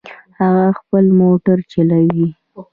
هغه خپل موټر چلوي